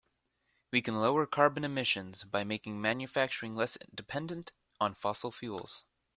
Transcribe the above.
We can lower carbon emissions by making manufacturing less dependent on fossil fuels.